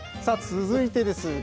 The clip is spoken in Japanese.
さあ続いてです。